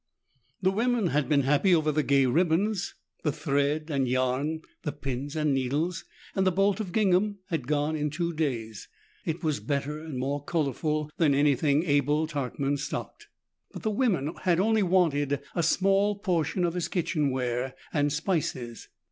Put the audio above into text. The women had been happy over the gay ribbons, the thread and yarn, the pins and needles, and the bolt of gingham had gone in two days. It was better and more colorful than anything Abel Tarkman stocked. But the women had wanted only a small portion of his kitchenware and spices.